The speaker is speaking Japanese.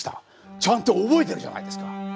ちゃんと覚えているじゃないですか！